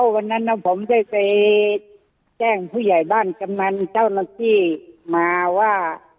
วันนั้นผมได้ไปแจ้งผู้ใหญ่บ้านกำนันเจ้าหน้าที่มาว่า